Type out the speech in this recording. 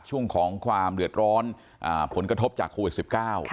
ช่วงของความเหลือดร้อนผลกระทบจากโควิด๑๙